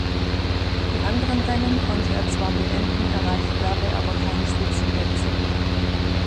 Die anderen Rennen konnte er zwar beenden, erreichte dabei aber keine Spitzenplätze.